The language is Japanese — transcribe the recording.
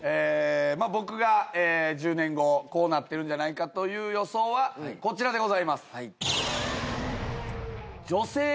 僕が１０年後こうなってるんじゃないかという予想はこちらでございます。